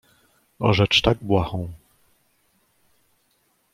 "o rzecz tak błahą."